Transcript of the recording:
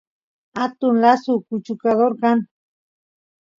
atun lasu kuchukador kan